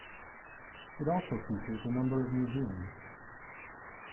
It also features a number of museums.